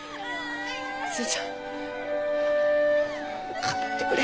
寿恵ちゃん。頑張ってくれ。